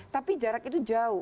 tapi jarak itu jauh